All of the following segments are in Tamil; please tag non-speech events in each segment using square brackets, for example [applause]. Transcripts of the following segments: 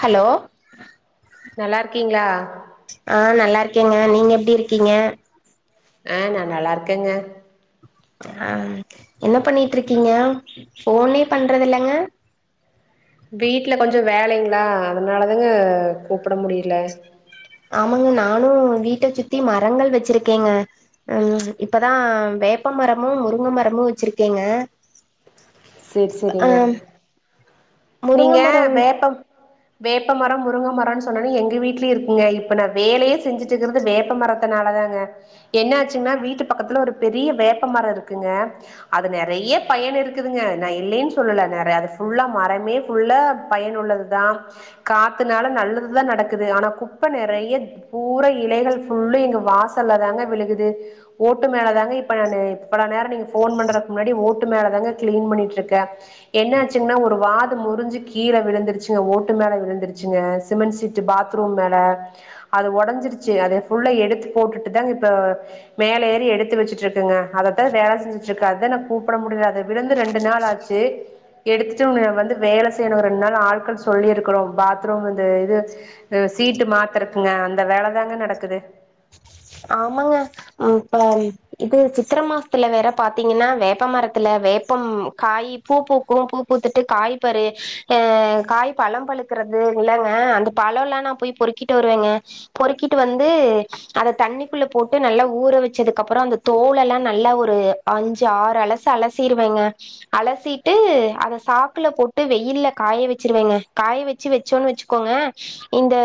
ஹலோ நல்லாருக்கீங்களா ஆஹ் நல்லா இருக்கேங்க நீங்க எப்டி இருக்கீங்க ஆஹ் நா நல்லா இருக்கேங்க ஆஹ் என்ன பண்ணிட்டு இருக்கீங்க போனே பண்றது இல்லங்க வீட்டு்ல கொஞ்சம் வேலைங்களா அதனாலதங்க கூப் ஆமாங்க நானு வி வீட்டசுத்தி மரங்கள் வச்சிருக்கீங்க உம் இப்பதா வேப்ப மரமு முருங்க மரமு வச்சிருக்கேங்க சேரி ஆ சரிங்க முருங்க நீங்க மரம் வேப்பம் வேப்பமரம் முருங்க மரோனு சொன்னோனே எங்க வீட்லயே இருக்குங்க இப்ப நா வேலையே செஞ்சுட்டுருக்கிறது வேப்பமரத்துனால தாங்க என்ன ஆச்சுங்கன்னா வீட்டு பக்கத்துல ஒரு பெரிய வேப்பமரம் இருக்குங்க அது நெறைய பயன் இருக்கு ங்க நா இல்லன்னு சொல்லல நெற அது புல்லா மரமே புல்லா பயன் உள்ளதுதா காத்துனால நல்லதுதா நடக்குது ஆனா குப்ப நெறைய பூரா இலைகள் புல்லா எங்க வாசல்லதாங்க விழுகுது ஓட்டு மேலதாங்க இப்ப ந இப்ப நேரம் நீங்க போன் பண்றக்கு முன்னாடி ஓட்டு மேலதாங்க கிளீன் பண்ணிட்டு இருக்கே என்னாச்சுன்னா ஒரு வாது முறிஞ்சு கீழ விழுந்திருச்சுங்க ஓட்டு மேல விழுந்திருச்சுங்க சிமெண்ட் சீட் பாத்ரூம் மேல அது ஒடைஞ்சிடுச்சு அது புல்லா எடுத்து போட்டுட்டு தா இப்ப மேல ஏறி எடுத்துவச்சுட்டு இருக்கேங்க அததா வேல செஞ்சுட்டிருக்கே அதா னா கூப்ட முடியல அது விழுந்து ரெண்டு நாள் ஆச்சு எடுத்துட்டு வந்து வேல செய்யணும் ரெண்டு நாள் ஆட்கள் சொல்லிருக்கிறோ பாத்ரூம் இந்த இது சீட்டு மாத்திருக்குங்க அந்த வேலதாங்க நடக்குது ஆமாங்க இப்ப இது சித்திர மாசத்துல வேற பாத்தீங்கன்னா வேப்ப மரத்துல வேப்பம் காய் பூ பூக்கும் பூ பூத்துட்டு காய் பரு அஹ் காய் பழம் பழுக்கறது இல்லங்க அந்த பழம் எல்லா நா போய் பொறுக்கிட்டு வருவேங்க பொறுக்கிட்டு வந்து அத தண்ணிக்குள்ள போட்டு நல்லா ஊற வச்சதுக்கு அப்புறோ அந்த தோலெல்லா நல்லா ஒரு அஞ்சு ஆறு அலசு அலசிருவேங்க அலசிட்டு அத சாக்குல போட்டு வெயில்ல காய வச்சிருவேங்க காய வச்சு வச்சோன்னு வச்சுக்கோங்க இந்த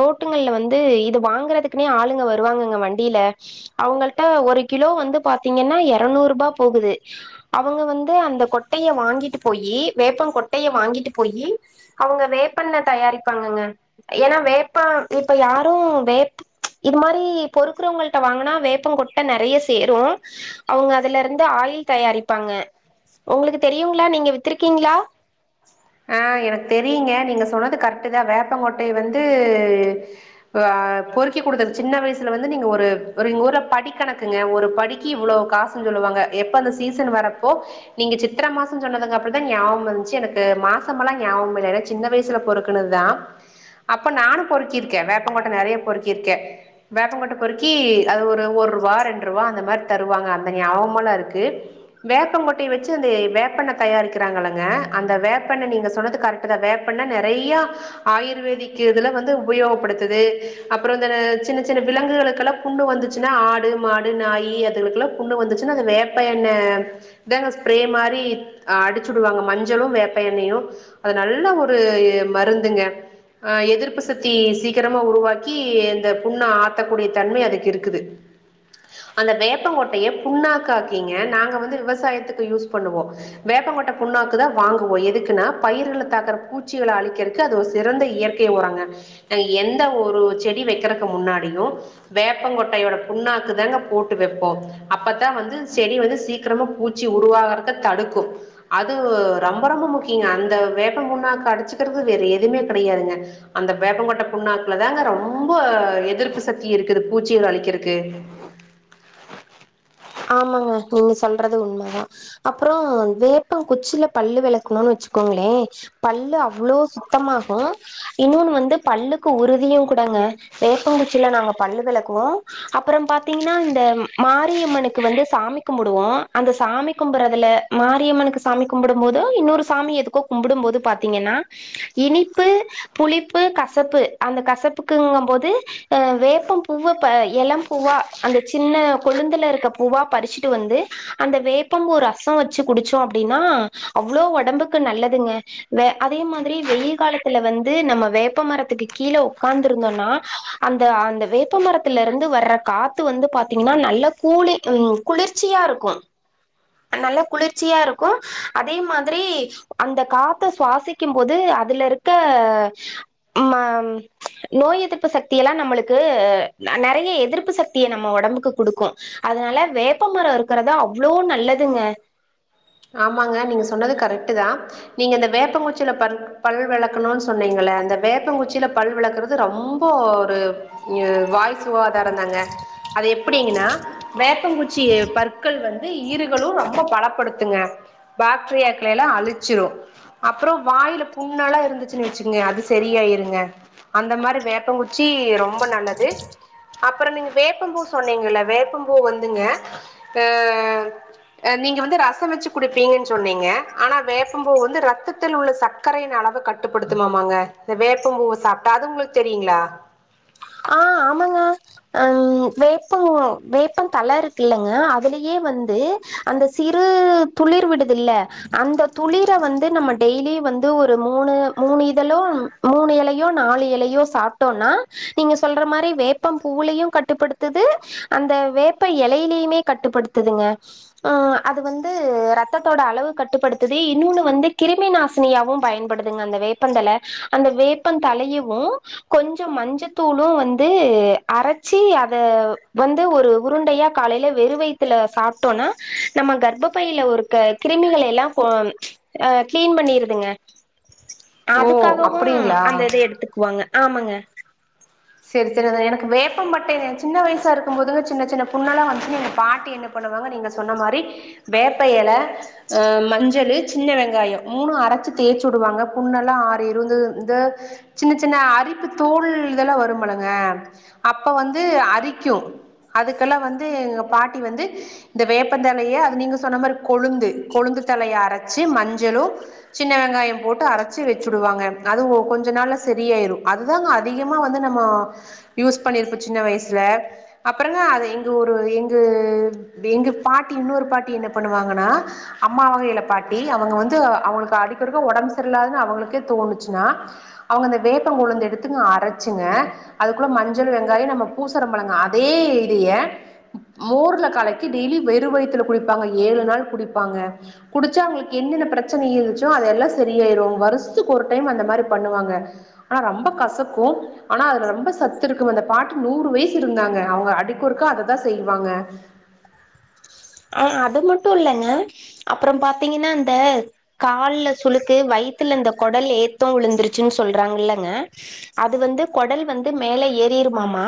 ரோட்டுங்கள்ல வந்து இது வாங்கறதுக்குனே ஆள் ளுங்க வருவாங்கங்க வண்டில அவங்கள்ட்ட ஒரு கிலோ வந்து பாத்தீங்கன்னா எரநூறு ரூபா போகுது அவங்க வந்து அந்த கொட்டைய வாங்கிட்டு போயி வேப்ப கொட்டைய வாங்கிட்டு போயி அவங்க வேப்பெண்ண தயாரிப்பாங்கங்க ஏன்னா வேப்ப இப்ப யாரு வேப் இது மாரி பொறுக்குறவங்கள்ட வாங்குனா வேப்பங் கொட்ட நெறைய சேரும் அவுங்க அதுல இருந்து ஆயில் தயாரிப்பாங்க உங்களுக்கு தெரியுங்களா நீங்க வித்திருக்கீங்களா ஆஹ் எனக்கு தெரியுங்க நீங்க சொன்னது கரெக்ட்தா வேப்பகொட்டைய வந்து ஆஹ் பொறுக்கி கொடுத்தது சின்ன வயசுல வந்து நீங்க ஒரு ஒரு எங்க ஊரல படி கணக்குங்க ஒரு படிக்கு இவ்வள காசுன்னு சொல்லுவாங்க எப்ப அந்த சீசன் வரப்போ நீங்க சித்திர மாச சொன்னதுங்க அப்புறதா நீயாபக வந்துச்சு எனக்கு மா மாசம்லா ஞாபக இல்ல ஏன்னா சின்ன வயசுல பொறுக்குனதுதா அப்ப நானு பொறுக்கிருக்கே வேப்பகொட்டை நெறைய பொறுக்கிருக்கே வேப்பகொட்டை பொறுக்கி அது ஒரு ஒரு ரூபா ரெண்டு ரூபா அந்த மாரி தருவாங்க அந்த ஞாபம்ல இருக்கு வேப்பகொட்டைய வச்சு அந்த வேப்பண்ண தயாரிக்கிறாங்கள்ளங்க அந்த வேப் பெண்ண நீங்க சொன்னது கரெட்த வேப்பெண்ண நெறைய ஆயுர்வேதிக் இதுல வந்து உபயோகபடுத்துது அப்புற இந்த சின்ன சின்ன விலங்குகளுக்கெல்லா புண்ணு வந்துச்சுன்னா ஆடு மாடு நாய் அதுகளுகெல்லா புண்ணு வந்துச்சுன்னா அது வேப்ப எண்ணெ இதாங்க ஸ்ப்ரே மாரி அடிச்சுடுவாங்க மஞ்சளு வேப்ப ப எண்ணய்யு அது நல்ல ஒரு இ மருந்துங்க ஆஹ் எதிர்ப்பு சத்தி சீக்கிரமா உருவாக்கி இந்த புண்ண ஆத்தகூடிய தன்மை அதுக்கு இருக்குது அந்த வேப்பங்கொட்டைய புண்ணாக்காக்கிங்க நாங்க வந்து விவசாயத்துக்கு யூஸ் பண்ணுவோ வேப்பங்கொட்டை புண்ணாக்குதா வாங்குவோ எ துக்குனா பயிர்களே தாக்குற பூச்சிகளே அழிக்கிறதுக் அது சிறந்த இயற்கை உரங்க எந்த ஒரு செடி வைக்கிறக்கு முன்னாடியு வேப்பங்கொட்டையோட புண்ணாக்கு தாங்க போட்டு வைப்போ அப்பதான் வந்து செடி வந்து சீக்கிரமா பூச்சி உருவாகறதே தடுக்கு அது ரொம்ப ரொம்ப முக்கிய ங்க அந்த வேப்ப புண்ணாக்க அடிச்சுக்கிறது வேற எதுவுமே கிடையாதுங்க அந்த வேப்பங்கொட்டை புண்ணாக்குலதாங்க ரொம்ப எதிர்ப்பு சக்தி இருக்குது பூச்சிகள் அழிக்கிறக்கு ஆமாங்க நீங்க சொல்றது உண்மதா அப்புற வேப்பங்குச்சில பல்லு விளக்குனோனு வச்சுக்கோங்களே பல்லு அவ்ளோ சுத்தமாஹு இன்னொன்னு வந்து பல்லுக்கு உறுதியும் கூடங்க வேப்பங்குச்சில நாங்க பல்லு விளக்குவோம் அப்புற பாத்தீங்கன்னா இந்த மாரியம்மனுக் கு வந்து சாமி கும்புடுவோம் அந்த சாமி கும்புறதுல மாரியம்மனுக்கு சாமி கும்பிடும் போதோ இன்னொரு சாமி எதுக்கோ கும்பிடும் போது பாத்தீங்கன்னா இனிப்பு புளிப்பு கசப்பு அந்த கசப்புக்குங்கு போது வேப்பம் பூவ எலம் பூவா அந்த சின்ன கொழுந்துல இருக்க பூவா பறிச்சுட்டு வந்து அந்த வேப்ப ஒரு பூ ரசோ வச்சு குடிச்சோ அப்டின்னா அவ்ளோ உடம்புக்கு நல்லதுங்க அதே மாதிரி வெயில் காலத்துல வந்து நம்ம வேப்பமரத்துக்கு கீழே உட்காந்துருந்தோனா அந்த அந்த வேப்பமரத்துல இருந்து வர்ற காத்து வந்து பாத்தீங்கன்னா நல்ல கூலி ம் குளிர்ச்சியா இருக்கும் நல்ல குளிர்ச்சியா இருக்கும் அதே மாதிரி அந்த காத்த சுவாசிக்கு போது அதுல இருக்க ம ச் நோய் எதிர்ப்பு சக்தியெல்லா நம்மளுக்கு நெறைய எதிர்ப்பு சக்திய நம்ம உடம்புக்கு குடுக்கு அதனால வேப்பமர இருக்கறது அவ்ளோ நல்லதுங்க ஆமாங்க நீங்க சொன்னது கரெட் தான் நீங்க இந்த வேப்பங்குச்சியிலே பல் பல் விளக்கணுனு சொன்னீங்கள்லே அந்த வேப்பங்குச்சியில பல் விளக்குறது ரொம்ப ஒரு வாய் சுவாதாரந்தாங்க அது எப்டின்னா வேப்பங்குச்சி பற்கள் வந்து ஈருகளு ரொம்ப பலப்படுத்து துங்க பாக்டீரியாகளேளா அழிச்சுரு அப்புற வாய்லே புண்ணல்லா இருந்துச்சுன்னு வச்சுக்குங்க அது சரியாயிருங்க அந்த மாரி வேப்ப குச் சி ரொம்ப நல்லது அப்புற நீங்க வேப்பம்பூ சொன்னீங்கல்ல வேப்பம்பூ வந்துங்க ஆ ஆ நீங்க வந்து ரச ரசம் வச்சு குடுப்பீங்க சொன்னீங்க ஆனா வேப்பம்பூ வந்து ரத்தத்தில் உள்ள சர்க்கரையின் அளவ கட்டுப்படுத்து மா மாங்க இந்த வேப்ப பூவ சாப்ட்டா அது உங்களுக்கு தெரியுங்களா ஆஹ் ஆமாங்க ஹம் வேப்ப வேப்ப தல இருக்கு இல்லங்க அதுலயே வந்து அந்த சிறு துளிர் விடுது இல்ல அந்த துளிர வந்து நம்ம டெய்லி வந்து ஒரு மூணு மூணு இதலோ மூணு இலையோ நாலு இலையோ சாப்டோனா நீங்க சொல்ற மாரி வேப்ப பூவ்லையு கட்டுப்படுத்துது அந்த வேப்ப இலையிலயுமே கட்டுப்படுத்துதுங்க ஆஹ் அது வந்து ரத்தத்தோட அளவு கட்டுப்படுத்துது இன்னொன்னு வந்து கிருமி நாசினியாவு பயன்படுதுங்க அந்த வேப்பந்தல அந்த வேப்ப தலையவு கொஞ்ச மஞ்ச தூளு வந்து அரைச்சி அத வந்து ஒரு உருண்டையா காலேல வெறு வய்த்துல சாப்டோனா நம்ம கர்ப்ப பையில ஒருக்க கிருமிகளேல்லா போ ச் அஹ் கிளீன் பண்ணிருதுங்க ஓ அதுக்காகவும் அப்டிங்களா அந்த இதை எடுத்துக்குவாங்க ஆமாங்க செரி செரி அது எனக்கு வேப்ப பட்டைல சின்ன வயசா இருக்கு போது சின்ன சின்ன புண்ணல்லா வந்துச்சுன் எங்க பாட்டி என்ன பண்ணுவாங்க நீங்க சொன்ன மாரி வேப்ப இலை அஹ் மஞ்சளு சின்ன வெங்காய மூணு அரைச்சு தேய்ச்சு வுடுவாங்க புண்ணெல்லா ஆரிரு இந்த இந்த சின்ன சின்ன அரிப்பு தோல் இதெல்லா வரும் மணங்க அப்ப வந்து அரிக்கு அதுகெல்லா வந்து எங்க பாட்டி வந்து இந்த வேப்பதலையே அது நீங்க சொன்ன மாரி கொழுந்து கொழுந்து தழைய அரச்சு மஞ்சளு சின்ன வெங்காய போட்டு அரச்சு வச்சுடுவாஙக அதுவு கொஞ்ச நாள் சரியாயுரு அதுதாங்க அதிகமா வந்து நம்மோ யூஸ் பண்ணிர்போ சின்ன வயசுல அப்பரந்தான் அது எங்க ஊர் எங்கு எங்க பாட்டி இன்னொரு பாட்டி என்ன பண்ணுவாங்கனா அம்மா வகையில பாட்டி அவுங்க வந்து அவகனுக்கு அடிக்ஒருக்க உடம்பு சரியல்லனு அவளுக்கே தோனுச்சுனா அவங்க அந்த வேப்ப கொழுந்து எடுத்துங்க அரைச் ச்சுங்க அதுக்குள்ள மஞ்சள் வெங்காயம் நம்ம பூசரமுல்லங்க அதே இதைய மோர்ல கலக்கி டெய்லி வெறு வயத்துல குடிப்பாங்க ஏழு நாள் குடிப்பாங்க குடிச்சா அவுங்களுக்கு என்னென்ன பிரச்சனை இருந்துச்சோ அதெல்லா சரியாயுரு வருஷத்துக்கு ஒரு டைம் அந்த மாரி பண்ணுவாங்க ஆனா ரொம்ப கசக்கு ஆனா அதுல ரொம்ப சத்து இருக்கும் அந்த பாட்டி நூறு வயசு இருந்தாங்க அவுங்க அடிக்கொறுக்கா அததான் செய்வாங்க அஹ் அது மட்டு இல்லங்க அப்புற பாத்தீங்ன்னா அந்த கால்ல சுளுக்கு வயித்துல இந்த குடல் ஏத்தோ விழுந்துருச்சுன்னு சொல்றாங்க இல்லங்க அது வந்து குடல் வந்து மேல ஏறிருமாமா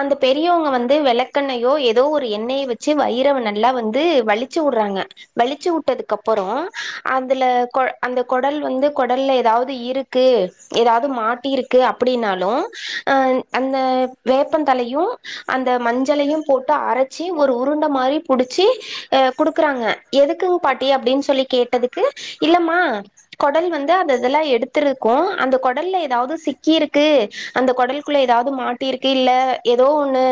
அந்த பெரியவங்க வந்து விளக்கெண்ணயோ ஏதோ ஒரு எண்ணெயை வச்சு வயிற ந ல்லா வந்து வலிச்சு உடுறாங்க வலிச்சு உட்டதுக்கு அப்புற அதுல கொ அந்த குடல் வந்து குடல்ல ஏதாவது இருக்கு ஏதாவது மாட்டிருக்கு அப்டினாலு அ அந்த வேப்பந்தலையு அந்த மஞ்சளையு போட்டு அரைச்சு ஒரு உருண்ட மாரி புடுச்சு அ குடுக்குறாங்க எதுக்குங்க பாட்டி அப்புடின்னு சொல்லி கேட்டதுக்கு இல்லம்மா கொடல் வந்து அந்தஇதுெல்லா எடுத்துரதுக்கு அந்த குடல்ல ஏதாவது சிக்கிருக்கு அந்த குடலுக்குள்ள ஏதாவது மாட்டிருக்கு இல்ல ஏதோ ஒண்ணு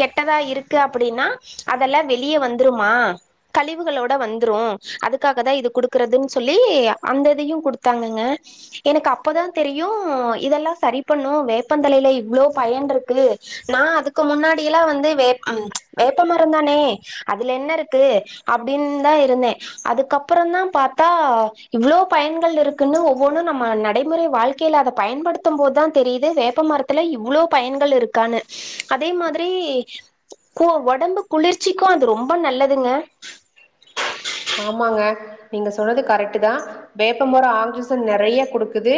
கெட்டதா இருக்கு அப்புடின்னா அதெல்லாம் வெளி ளியே வந்துருமா கழிவுகளோட வந்துரு அதுக்காக தா இது குடுக்கறதுன்னு சொல்லி அந்தஇதையு குடுத்தாங்கங்க எனக்கு அப்பத தெரியு இதெல்லா சரி பண்ணு வேப்பந்தலையில இவ்ளோ பயன் இருக்கு நான் அதுக்கு முன்னாடியல்லா வந்து வே ப் ச் வேப்ப மரந் தானே அதுல என்ன இருக்கு அப்டின்னு தா இருந்தே அதுக்கப்புற தா பாத்தா இவ்ளோ பயன்கள் இருக்குன்னு ஒவ்வொன்னு நம்ம நடைமுறை வாழ்க்கையில அத பயன்படுத்து போதுதா தெரியுது வேப்பமரத்துல இவ்ளோ பயன்கள் இருக்கான்னு அதே மாதிரி கு உடம்பு குளிர்ச் ச்சிக்கு அது ரொம்ப நல்லதுங்க ஆமாங்க நீங்க சொன்னது கரெக்ட் தா வேப்ப முர ஆக்சிஜன் நெறைய குடுக்குது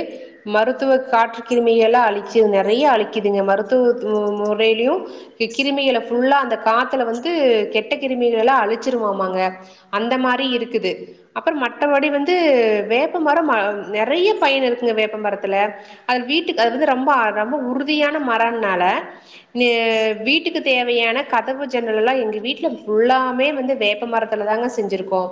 மருத்துவ காற்று கிருமி எல்லா அழிச்சு இது நெறைய அழிக்குதுங்க மருத் த்து மு முறையிலயு கி கிருமிகளே புல்லா அந்த காத்துல வந்து கெட்ட கிருமிகலே அழிச்சிருவாமாங்க அந்த மாரி இருக்குது அப்புற மற்றபடி வந்து வேப்ப மரம் நெ நெறைய பயன் இருக்குங்க வேப்ப மரத்துல அது வீட்டுக்கு அது வந்து ரொம்ப ரொம்ப உறுதியான மரம் னால நீ வீட்டுக்கு தேவையான கதவு ஜன்னல்ல்லா எங்க வீட்ல ஃபுல்லாமே வந்து வேப்பமரத்துல தாங்க செஞ்சிருக்கோம்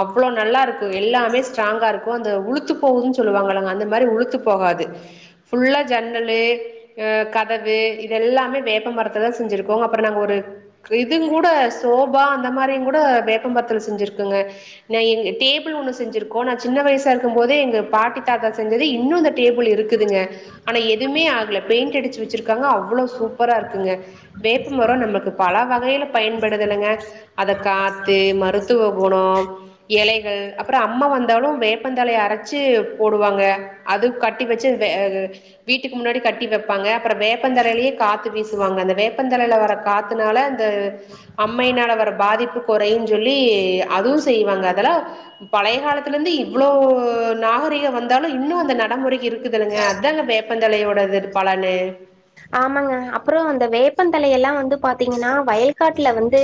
அவ்ளோ நல்லா இருக்கு எல்லாமே ஸ்டராங்கா இருக்கு அது உளுத்து போகும்ன்னு சொல்லுவாங்கள்ள அந்த மாரி உளுத்து போவாது ஃபுல்லா ஜன்னலு அ கதவு இதெல்லாமே வேப்பம் மரத்ததான் செஞ்சிருக்கோம் அப்பறம் நாங்க ஒரு இதுக்கு கூட சோபா அந்த மாரி கூட வேப்பம் மர ப்ரா செஞ்சிருக்கங்க நா எங் டேபிள் ஒன்னு செஞ்சிருக்கோ நா சின்ன வயசா இருக்கும்போதே எங்க பாட்டி தாத்தா செஞ்சது இன்னு அந்த டேபிள் இருக்குதுங்க ஆனா எதுவுமே ஆகல பெயிண்ட் அடிச்சு வச்சிருக்காங்க அவ்ளோ சூ சூப்பரா இருக்குங்க வேப்பமரோ நம்மளுக்கு பல வகையில பயன்படுதுலங்க அத காத்து மருத் த்துவ குணோ எலைகள் அப்புறோ அம்ம வந்தாலு வேப்பந்தழய அரைச்சு போடுவாங்க அது கட்டி வெச்சு அ வீட்டுக்கு முன்னாடி கட்டி வைப்பாங்க அப்புற வேப்பந்தலையிலயே காத்து வீசுவாங்க அந்த வேப்பந்தலையில வர காத்துனால அந்த அம்மையினால வர பாதிப்பு கொறையுன் சொல்லி அப்டி அதுவு செய்வாங்க அதெல்லா பழைய காலத்துல இருந்து இவ்ளோ நாகரிகம் வந்தாலு இன்னு அந்த நடைமுறைக்கு இருக்குதுலங்க அதான்ங்க வேப்பந்தலையோட இது பலனு ஆமாங்க அப்புறோ அந்த வேப்பந்தலைய எல்லா வந்து பாத்தீங்கன்னா வயக் காட்டுல வந்து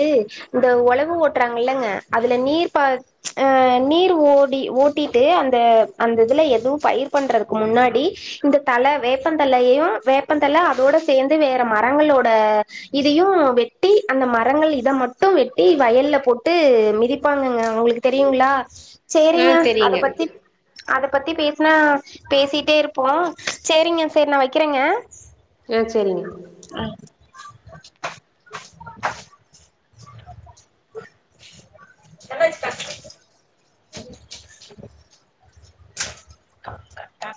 இந்த ஒழவு ஓட்டுறாங்கல்லங்க அதுல நீர் பாச் அஹ் நீர் ஓடி ஓட்டிட்டு அந்த அந்த இதுல எதுவு பயிர் பண்றதுக்கு முன்னாடி இந்த தல வேப்பந்தலையயு வேப்பந் ல அதோட சேந்து வேற மரங்களோட இதையு வெட்டி அந்த மரங்கள் இத மட்டு வெட்டி வயல்ல போட்டு மிதிப்பாங்கங்க உங்களுக்கு தெரியுங்களா ஆ சேரிங்க அத தெரியுங்க பத்தி அத பத்தி பேசினா பேசிட்டே இருப்போ செரிங்க செரி நா வைக்கிறேங்க ஆஹ் செரிங்க கட்ட [inaudible]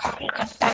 கால் கட்ட